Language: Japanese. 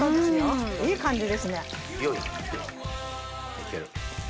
いける。